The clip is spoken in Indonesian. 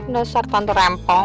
dasar tante rempong